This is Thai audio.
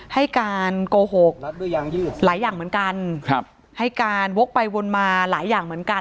ให้การโกหกหลายอย่างเหมือนกันครับให้การวกไปวนมาหลายอย่างเหมือนกัน